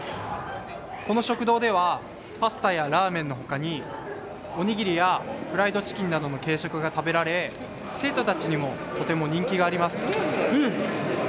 この食堂ではパスタやラーメンのほかにおにぎりやフライドチキンなどの軽食が食べられ、生徒たちにもとても人気があります。